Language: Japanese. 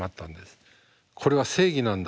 これは正義なんだと。